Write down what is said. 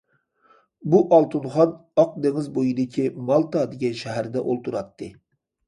بۇ ئالتۇن خان، ئاق دېڭىز بويىدىكى مالتا دېگەن شەھەردە ئولتۇراتتى.